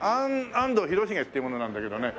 安藤広重っていう者なんだけどね。